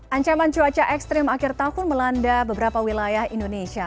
ancaman cuaca ekstrim akhir tahun melanda beberapa wilayah indonesia